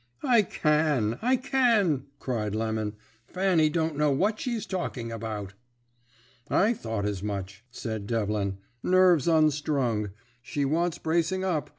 "'I can, I can,' cried Lemon. 'Fanny don't know what she's talking about.' "'I thought as much,' said Devlin. 'Nerves unstrung. She wants bracing up.